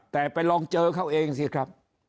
แต่ไปลองเจอเขาเองสิครับ